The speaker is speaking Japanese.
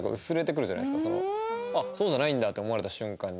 あっそうじゃないんだって思われた瞬間に。